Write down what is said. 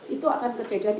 itu akan kejadian